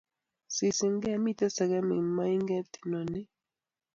Sisin kee miten semekik mainget inoni